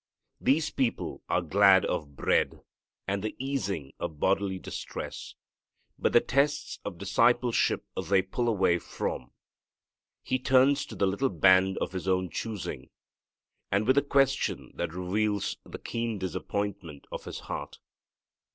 These people are glad of bread and the easing of bodily distress, but the tests of discipleship they pull away from. He turns to the little band of His own choosing, with a question that reveals the keen disappointment of His heart.